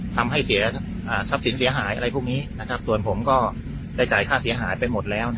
ทำให้เสียทรัพย์สินเสียหายอะไรพวกนี้ส่วนผมก็ได้จ่ายค่าเสียหายไปหมดแล้ว